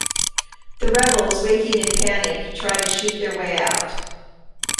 The rebels, waking in panic, try to shoot their way out.